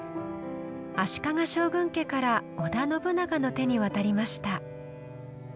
足利将軍家から織田信長の手に渡りました。